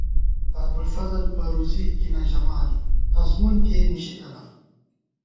ابُوالفضل پرُوزی کی نہ ژَمان ازمُن کېئی نِشی تنہ